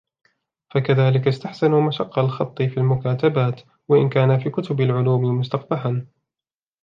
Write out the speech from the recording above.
فَكَذَلِكَ اسْتَحْسَنُوا مَشْقَ الْخَطِّ فِي الْمُكَاتَبَاتِ وَإِنْ كَانَ فِي كُتُبِ الْعُلُومِ مُسْتَقْبَحًا